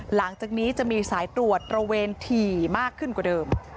หลังจากนี้จะมีสายตรวจตระเวนถี่มากขึ้นกว่าเดิม